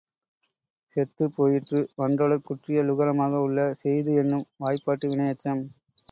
செத்துப் போயிற்று வன்றொடர்க் குற்றிய லுகரமாக உள்ள செய்து என்னும் வாய்பாட்டு வினையெச்சம்.